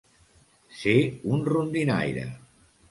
Ser un rondinaire.